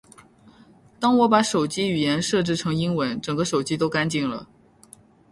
当我把手机语言设置成英文，整个手机都干净了